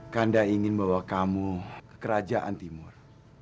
kanda ingin membawa kamu ke kerajaan timur